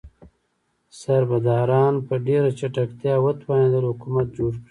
سربداران په ډیره چټکتیا وتوانیدل حکومت جوړ کړي.